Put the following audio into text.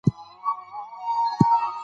ډاکټران خوشحالي د بدن هورمونونو سره تړلې ګڼي.